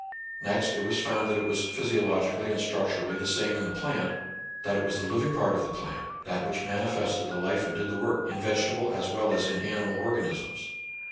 Next it was found that it was physiologically and struc turally the same in the plant, that it was the living part of the plant, that which manifested the life and did the work in vegetable as well as in animal organisms.